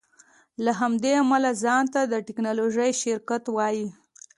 له همدې امله ځان ته د ټیکنالوژۍ شرکت وایې